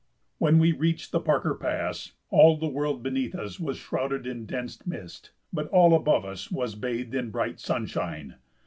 When we reached the Parker Pass all the world beneath us was shrouded in dense mist, but all above us was bathed in bright sunshine.